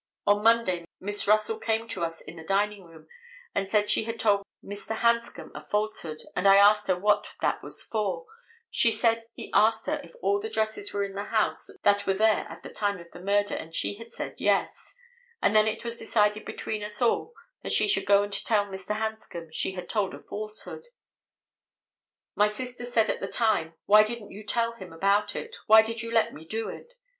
On Monday Miss Russell came to us in the dining room and said she had told Mr. Hanscom a falsehood, and I asked her what that was for; she said he asked her if all the dresses were in the house that were there at the time of the murder, and she had said yes; and then it was decided between us all that she should go and tell Mr. Hanscom she had told a falsehood; my sister said at the time, 'Why didn't you tell him about it; why did you let me do it?